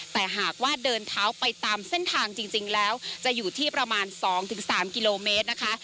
แต่หากว่าเดินเท้าไปตามเส้นทางจริงแล้วจะอยู่ที่ประมาณ๒๓กิโลเมตรนะคะ